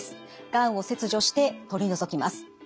がんを切除して取り除きます。